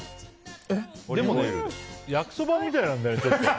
でも焼きそばみたいなんだよね。